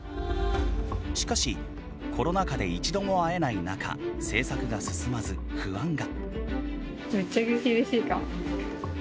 しかしコロナ禍で一度も会えない中制作が進まず不安が。